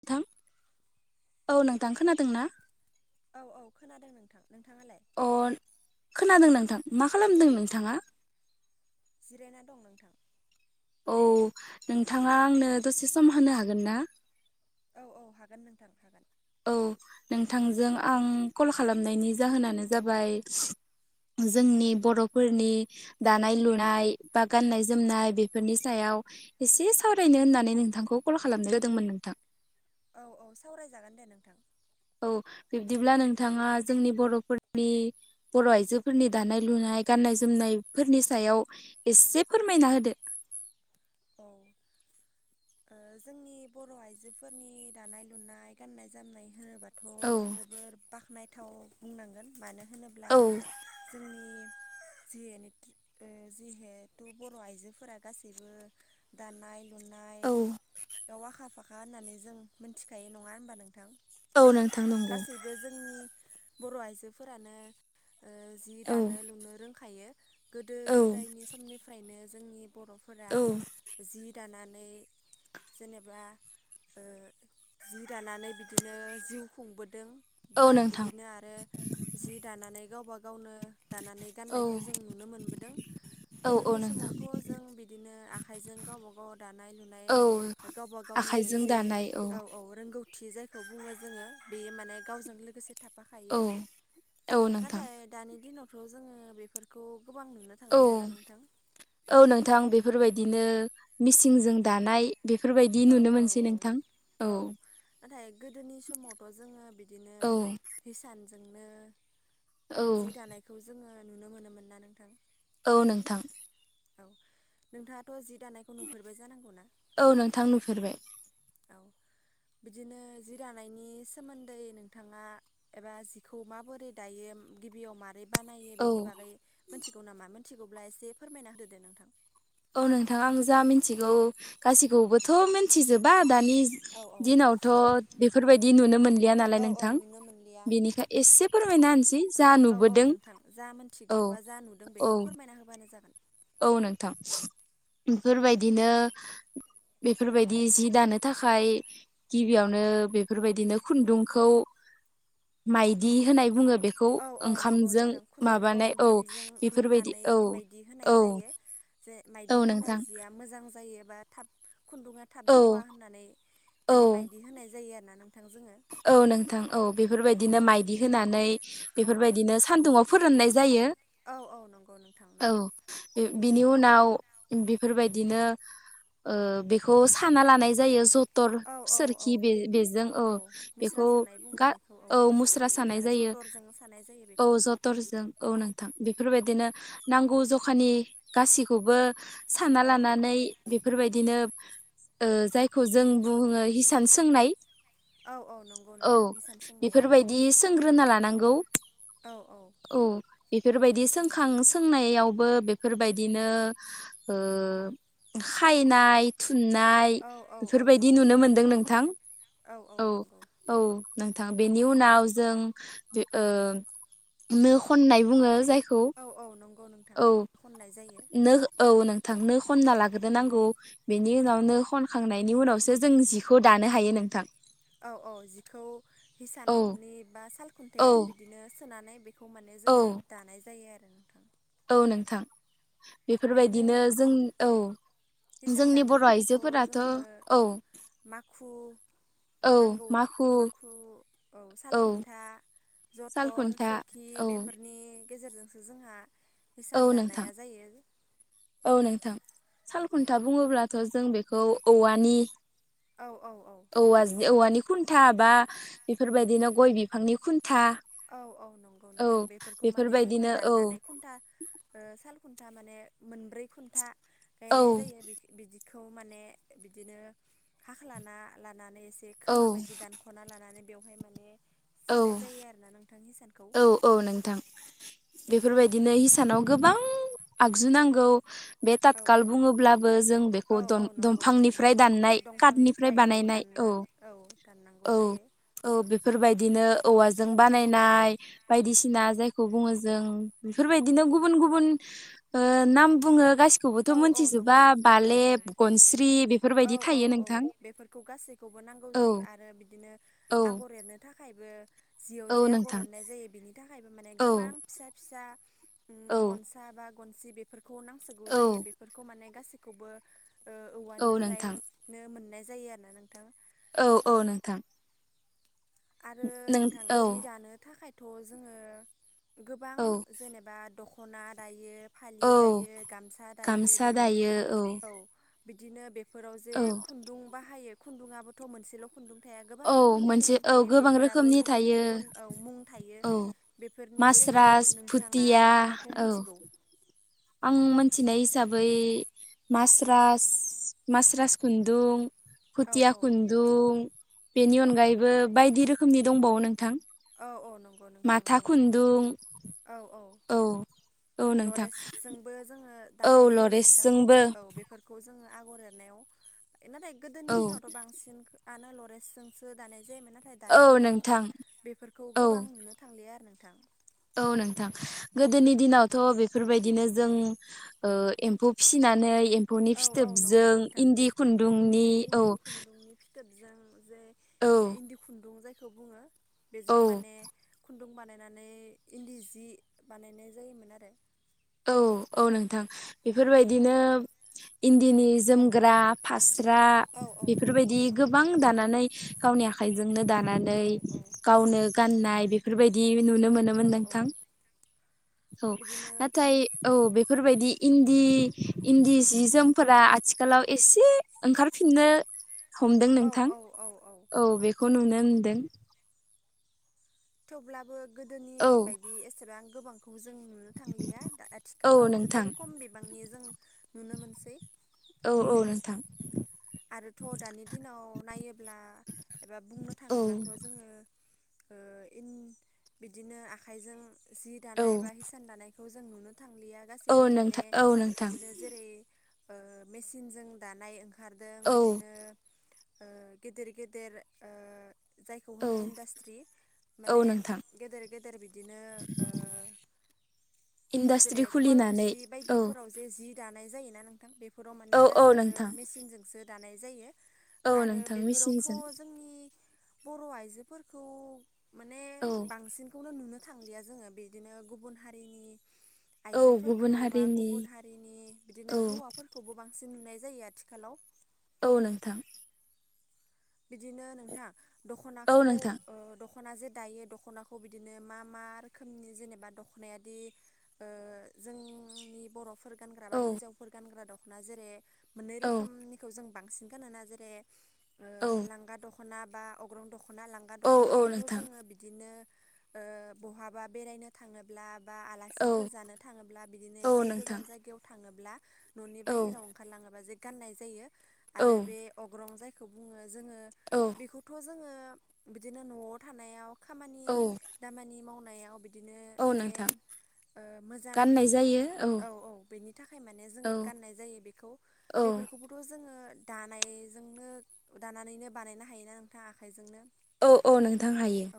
नोंथां औ नोंथां खोनादों ना औ औ खोनादों नोंथां नोंथाङालाय अ खोनादों नोंथां मा खालामदों औ नोंथाङा? जिरायना दं नोंथां औ नोंथाङा आंनो दसे सम होनो हागोन ना औ औ हागोन नोंथां हागोन औ नोंथांजों आं कल खालामनायनि जाहोनानो जाबाय जोंनि बरफोरनि दानाय लुनाय बा गाननाय जोमनाय बेफोरनि सायाव एसे सावरायनो होननानै नोंथांखौ कल खालामनाय जादोंमोन नोंथां औ औ सावरायजागोन दे नोंथां औ बिब्दिब्ला नोंथाङा जोंनि बरफोरनि बर आइजोफोरनि दानाय लुनाय नाय गाननाय जोमनाय फोरनि सायाव एसे फोरमायना होदो [inaudible] औ ओ जोंनि बर आइजोफोरनि दानाय लुनाय गान्नाय जोमनाय हो बाथ औ जोबोर बाख्नायथाव बुंनांगोन मानो होनोब्ला औ जों नि जिहेनेखि ओ जिहेथु बर आइजोफोरा गासिबो दानाय लुना औ बेयाव आखा फाखा होननानै जों मिथिखायो नङा होनबा नों थां औ नोंथां नंगौ गासैबो जोंनि बर आइजोफोरानो ओ जि औ दानो लुनो रोंखायो गोदो औ गोदायनि समनिफ्रायनो जोंनि बरफोरा औ जि दानानै जेनेबा ओ जि दानानै बिदिनो जिउ खुंबोदों औ बा नोंथां बिदिनो आरो जि दानानै गावबा गावनो दानानै औ गाननायखौ जों नुनो मोनबोदों औ औ गोदोनि नोंथां समावथ जों बिदिनो आखा आखाइजों गावबा गाव दानाय लुनाय औ गावबा गावनि आखाइजों मोनसे दानाय औ औ रोंगौ थि जायखौ बुङो जोङो बेयो माने गावजों लोगोसे थाब औ फाखायो औ नोंथां नाथाय दानि दिनावथ जोङो बेफोरखौ गोबां नुनो औ थांलियाना नोंथां औ नोंथां बेफोरबायदिनो मिसिंनजों दानाय बायदि औ नुनो औ मोनसै औ नोंथां औ नाथाय गोदोनि समावथ जोङो बिदिनो औ हिसान जोंनो औ जि दानायखौ जोङो नुनो मोनोमोन ना नोंथां औ नोंथां औ नोंथाङाथ जि दानायखौ नुफेरबाय जानांगौ ना औ नोंथां नुफेरबाय औ बिदिनो जि दानायनि सोमोन्दै नोंथाङा एबा जिखौ माबोरै दायो गिबियाव मा रै बानायो औ बेनि बागै मोनथिगौ नामा मोनथिगौब्ला एसे फोरमायना होदोदे नोंथां औ नोंथां आं जा मिथिगौ गासिखौबोथ मिथिजोबा दानि औ औ दिनावथ बेफोरबायदि नुनो मोनलिया नालाय औ औ नोंथां नुनो मोनलिया। बेनिखाय एसे फोरमायना होनसै जा औ औ नुबोदों नोंथां जा मोनथिगौ औ बा जा नुदों बेखौ औ फोरमायना होबानो जागोन औ नोंथां बेफोरबायदिनो बेफोरबायदि जि दानो थाखाय गिबियावनो बेफोरबायदिनो खुन्दुंखौ‌‌ माइदि होनाय बुङो बेखौ औ औ नंगौ ओंखामजों नोंथां खुन्दुंखौ माबानाय औ ओंखामजों बेफोरबायदि रुनानै औ मायदि होनाय औ जायो जे औ माइदि होनाय नोंथां जिया मोजां जायोबा थाब खुन्दुङा थाब औ जवा होननानै औ माने माइदि होनाय जायो आरोना नों औ नोंथां औ बेफोरबायदिनो माइदि होनानै औ औ। बेफोरबायदिनो सान्दुङाव फोराननाय जायो औ औ नंगौ नोंथां औ नंगौ। बे बिनि उनाव बेफोरबायदिनो ओ बेखौ साना लानाय जायो स दर औ औ सोरखि बे बेजों ओ औ मुस्रा बेखौ सानाय बुङो गा बेखौ औ मुस्रा सोरखि सानाय आरो जायो जथरजों सानाय जायो औ बेखौ जथरजों औ नों थां बेफोरबायदिनो नांगौ जखानि गासिखौबो सानना औ लानानै बेफोर बायदिनो ओ जायखौ जों बुङो हिसान सोंनाय। औ औ नंगौ औ नोंथां हिसान सोंनाय। बेफोरबायदि सोंग्रोना लानांगौ औ बेफोर बायदि सोंखां सोंनायावबो बेफोरबायदिनो ओ खायनाय थु थुननाय औ औ औ बेफोरबायदि नंगौ नुनो मोनदों नोंथां औ औ नों थां बेनि उनाव जों ओ नो खननाय बुङो जाय खौ औ औ नंगौ नोंथां औ खननाय जायो नों औ नों थां नोखनना लाग्रोनांगौ बेनि उनावनो खनखांनायनि उनावसो जों जिखौ दानो हायो नोंथां। औ औ जिखौ औ हिसाननि बा औ सालखुन्थायाव बिदिनो सोनानै बेखौ माने औ जोङो दानाय जायो आरो नोंथां। औ नोंथां बेफोर बायदिनो जों औ इसान जोंनि दानो बर' थाखायथ' आइजोफोराथ' जोंनो औ माखु नांगौ माखु औ सालखुन्था जथर सालखुन्था सोरखि औ बेफोरनि गेजेरजोंसो जोंहा औ इसान नोंथां दानाया जायो। औ नोंथां सालखुन्था बुङोब्लाथ' जों बेखौ औवानि औ औ औ [inaudible] औवा नोंथां औवानि खुन्था बा बेफोर बायदिनो गय बिफांनि खुन औ औ नंगौ नोंथां बेफोरखौ माने जोङो बेफोरबायदिनो औ दाननानै खुन्था ओ साल खुन्था माने मोनब्रै खुन्था औ गायनाय जायो बिदि खौ माने बिदिनो हाख्लाना ला नानै एसे औ खोमा बायदि दानख'ना लानानै बेवहाय माने औ सोनाय जायो आरो। औ औ नोंथां बेफोर बायदिनो हिसानाव गोबां आगजु नांगौ। बे औ ततखाल बुङोब्लाबो जों बेखौ औ औ नंगौ नोंथां दंफांनिफ्राय दाननाय काटनिफ्राय बानायनाय दान औ दाननांगौ औ जायो। औ बेफोरबायदिनो औवाजों बानायनाय बायदिसिना जायखौ बुङो जों बेफोरबायदिनो गुबुन गुबुन ओ नाम बुङो गासि खौबोथ' औ औ मिथिजोबा नंगौ नोंथां औ औ बालेब गनस्रि औ बेफोरबायदि औ थायो औ नोंथां। बेफोरखौ गासैखौबो नांगौ औ जायो आरो बिदिनो औ आगर एरनो थाखा खायबो जियाव औ जाया नोंथां आगरनाय जायो बिनि थाखायबो माने औ गोबां फिसा फिसा उम औ गनसा बा गनसि बेफोरखौ नांसगौ औ जायो बेफोरखौ माने गासैखौबो ओ औ नोंथां औवानिफ्रायनो मोननाय जायो आरोना नोंथां। औ औ नोंथां आरो नों नोंथां औ जि दानो थाखायथ' जोङो गोबां औ जेनेबा दख'ना दायो फालि औ दायो गामसा दायो गामसा बिदिनो दायो औ बिदिनो बे फोराव जे औ खुन्दुं बाहायो खुन्दुङाबोथ' मोनसेल' खुन्दुं थाया गोबां औ रोखोमनि मोनसे खुन्दुं औ थायो गोबां बेफोराबो रोखोमनि गुबुन थायो गुबुन औ मुं थायो औ बेफोरनि गेजेराव मास्रास नोंथाङा फुथिया मा माखौ औ मिथिगौ? आं मिथिनाय हिसाबै मास्रास मास्रास खुन्दुं औ खुथिया औ खुन्दुं बेनि औ अनगायैबो बायदि रोखोमनि दंबावो नोंथां। औ औ नं माथा खुन्दुं औ औ नोंथां लरेसजोंबो जोङो औ दानाय जायो नोंथां लरेसजोंबो औ बेफोरखौ जोङो आगर एरनायाव नाथाय औ गोदोनि दिनावथ' बांसिन आन लरेसजोंसो दानाय जायोमोन। नाथाय औ दानि दिनाव नोंथां बेफोरखौ औ गोबां नुनो थांलिया आरो नोंथां औ नोंथां गोदोनि दिनावथ' बेफोरबायदिनो जों एम्फौ फिसिनानै एम्फौनि औ औ नंगौ फिथोबजों नोंथां इन्दि खुन्दुंनि औ ज ज औ इदि खुन्दुं जायखौ बुङो बेजों औ माने खुन्दुं बानायनानै इन्दि जि बानायनाय जायोमोन आरो। औ औ नोंथां बेफोरबायदिनो इन्दिनि जोमग्रा फास गथ्रा औ औ नंगौ बेफोरबायदि नोंथां गोबां दानानै गावनि आखाइजोंनो द औ औ गावनो गाननाय बेफोरबायदि नुनो मोनोमोन औ औ नोंथां औ। बिदिनो नाथाय औ बेफोरबायदि इन्दि इन्दि सि जोमफोरा आथिखालाव एसे ओंखार फिननो हमदों औ नोंथां औ औ औ बेखौ नुनो मोनदों। थेवब्लाबो गोदोनि औ बायदि एसेबां आं गोबां खौ जों नुनो थांलिया दा औ आथिखालाव नोंथां जोबोर खम बिबांनि जों नुनो मोनसै। औ औ नोंथां। आरोथ' दानि दिनाव नायोब्ला एबा बुंनो औ थाङोब्लाथ' जोङो बिदिनो आखाइजों जि औ दानाय बा हिसान दानायखौ जों नुनो थांलिया औ गाससिबो माने नोंथां औ नोंथां बिदिनो जेरै मेसिनजों दानाय खारदों औ बिदिनो ओ गेदेर गेदेर ओ जायखौ औ होनो इन्डास्ट्रि। औ माने नोंथां गेदेर गेदेर बिदिनो इन्डास्ट्रि जेरै खुलिनानै कवालकुसि औ बायदिफोराव जे जि दानाय जायोना नोंथां बेफोराव औ माने औ गासिबो नोंथां मेसिनजोंसो दानाय जायो। औ आरो नोंथां बेफोरावथ' मेचिनजों जोंनि बर' आइजोफोरखौ माने औ बांसिनखौनो नुनो थांलिया जोङो बिदिनो गुबुन हारिनि औ गुबुन आइजोफोरखौ बा हारिनि गुबुन हारिनि औ बिदिनो हौवाफोरखौबो बांसिन नुनाय जायो आथिखालाव। औ नोंथां। बिदिनो नोंथा औ दख'नाखौ नोंथां दख'ना जे दायो दख'नाखौ बिदिनो मा मा रोखोमनि जेनेबा दख'नायादि जोंनि बर'फोर गान्रा बा औ हिनजाव गान्रा दख'ना जेरै मोननै औ रोखोमनिखौ जों बांसिन गानोना जेरै औ लांगा दख'ना बा अग्रं दख'ना दख'ना लांगा औ औ दख'नाखौथ' नोंथां जोङो बिदिनो बहाबा बेरायनो थाङोब्ला बा औ आलासिफोर जानो थाङोब्ला बिदिनो औ एसे नोंथां गोजान जायगायाव थाङोब्ला न'नि औ बायाहेरायाव ओंखारलाङोबा जे गान्नाय जायो औ आरो बे अग्रं जायखौ बुङो जोङो औ बेखौथ' जोङो बिदिनो न'आव थानायाव। खामानि औ दामानि मावनायाव बिदि बिदिनो औ जेन नोंथां मोजां गाननाय जायो औ औ बेनि थाखाय माने औ जोङो गाननाय जायो बेखौ औ बेफोरखौबोथ' जोङो दानायजोंनो दानानैनो बानायनो हायोना नोंथाङा आखाइजोंनो। औ औ नोंथां हायो। औ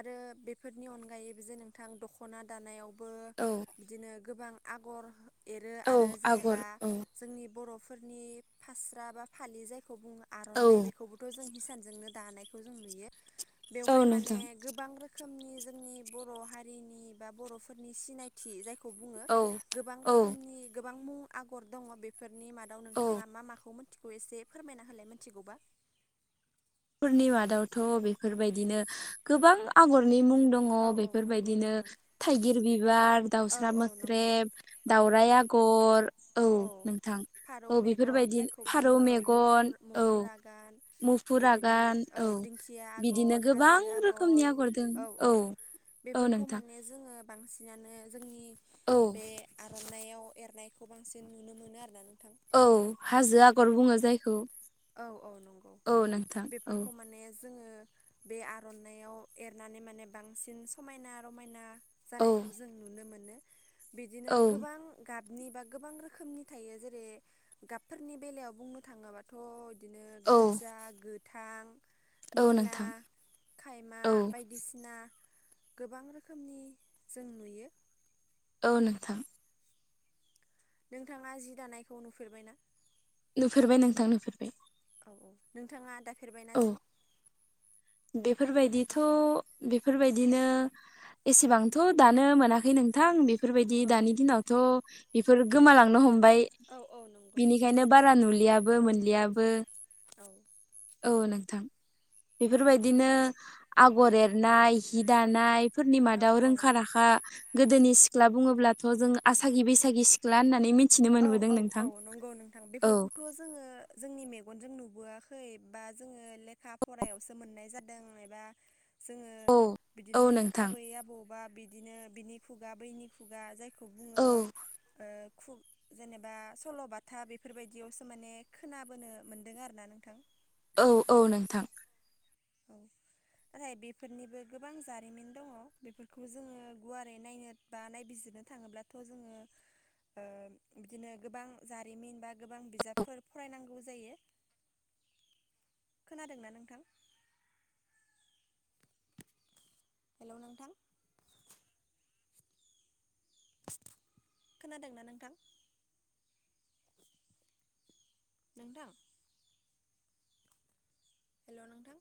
आरो बेफोरनि अनगायै बि जे नोंथां दख'ना दानायावबो औ बिदिनो गोबां आगर एरो औ आरो आगर जेनेबा औ जोंनि बर' फोरनि फास्रा बा फालि जायखौ बुङो औ आर'नाइ बेखौबोथ' जों हिसानजोंनो दानायखौ जों नुयो औ बेवहाय माने नोंथां गोबां रोखोम रोखोमनि जोंनि बर' हारिनि बा बर'फोरनि सिनायथि जाय बुङो औ गोबां औ रोखोमनि गोबां मुं आगर दङ बेफोर नि मादाव औ नोंथाङा मा माखौ मिथिगौ एसे फोरमायना होलाय मिथिगौबा। फोरनि मादावथ' बेफोरबायदिनो गोबां आगरनि मुं दङ औ औ नंगौ बेफोरबायदिनो नोंथां थाइगिर बिबार औ दाउस्रा औ नंगौ मोख्रेब औ औ दाउरायाइ आगर औ नोंथां। फारौ औ मेगन बेफोरबायदि जायखौ फारौ बुङो औ मेगन मुफुर मुफुर आगान बिदि। गान औ बिदिनो गोबां रोखोमनि आगर दों औ। औ बेफोरखौ नोंथां माने जोङो बांसिन जिनानो जोंनि औ बे आर'नायाव एरनायखौ बांसिन नुनो मोनो आरोना नों औ हाजो आगर बुङो जायखौ औ औ नंगौ औ नोंथां औ बेफोरखौ माने जोङो बे आर'नायाव एरनानै माने बांसिन समायना रमायना औ जानायखौ जों नुनो मोनो। बिदिनो औ गोबां गाब गाबनि बा गोबां रोखोमनि थायो। जेरै- गाबफोरनि बेलायाव बुंनो थाङोबाथ' बिदिनो औ गोदजा गोथां औ निला नोंथां खायमा औ बायदिसिना गोबां रोखोमनि जों नुयो। औ नोंथां। नोंथाङा जि दानायखौ नुफेरबाय ना? नुफेरबाय नोंथां नुफेरबाय। औ औ नोंथाङा दाफेरबायना औ जि? बेफोरबायदिथ' बेफोरबायदिनो एसेबांथ' दानो मोनाखै नोंथां बे बेफोरबायदि औ औ दानि दिनावथ' बेफोर गोमालांनो हम बाय औ औ नंगौ नोंथां। बिनिखायनो बारा नुलियाबो मोनलियाबो। औ नोंथां। बेफोरबायदिनो आगर एरनाय हि दानाय फोरनि मादाव औ रोंखा राखा गोदोनि सि सिख्ला बुङोब्लाथ' जों आसागि बैसागि सिख्ला होननानै मिन औ औ औ नंगौ नोंथां। औ बेफोरखौथ' जोङो जोंनि मेगनजों नु बोआखै बा जोङो लेखा फरायावसो मोननाय जादों एबा जोङो औ औ बिदिनो नोंथां आबै आबौबा बिदिनो बिनि खुगा बैनि खुगा जाय खौ बुङो औ खुब जेनेबा सल'बाथा बेफोरबायदियावसो माने खोनाबोनो मोनदों आरो ना नोंथां। औ औ नोंथां। आरो बेफोरनिबो गोबां जारिमिन दङ। बेफोरखौ जोङो गुवारै नायनो बा नायबिजिर बिजिरनो थाङोब्लाथ' जोङो ओ बिदिनो गोबां जारिमिन बा गोबां बिजाबफोर फरायनांगौ जायो। [unintelligible] खोनादों ना नोंथां? हेल' नोंथां? खोनादों ना नोंथां? नोंथां? हेल' नोंथां?